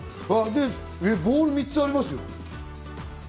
ボール３つありますよ。